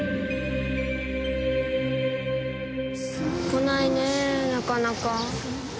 こないねなかなか。